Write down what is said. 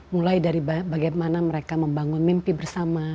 mulai dari bagaimana mereka membangun mimpi bersama